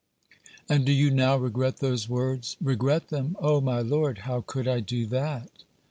"And do you now regret those words?" "Regret them! Oh! my lord, how could I do that?"